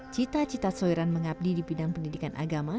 cita cita soiran mengabdi di bidang pendidikan agama